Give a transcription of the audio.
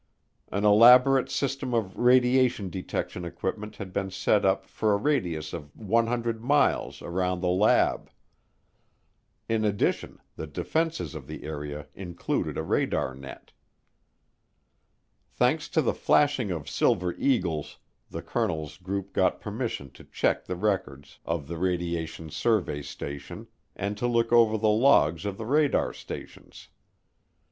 An elaborate system of radiation detection equipment had been set up for a radius of 100 miles around the lab. In addition, the defenses of the area included a radar net. Thanks to the flashing of silver eagles, the colonel's group got permission to check the records of the radiation survey station and to look over the logs of the radar stations.